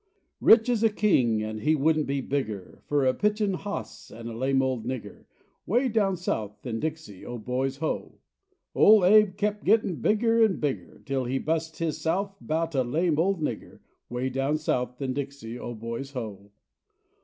Rich as a king, and he wouldn't be bigger Fur a pitchin' hoss and a lame old nigger, Way down south in Dixie, Oh, boys, Ho. Ole Abe kep' gettin' bigger an' bigger, 'Til he bust hisself 'bout a lame old nigger, Way down south in Dixie, Oh, boys, Ho.